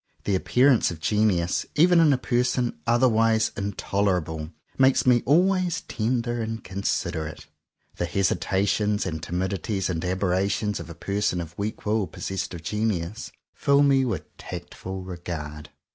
The appearance of genius, even in a person otherwise intolerable, makes me always ten der and considerate. The hesitations and timidities and aberrations of a person of weak will possessed of genius, fill me with tactful regard.